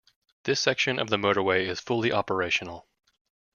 This section of the motorway is fully operational.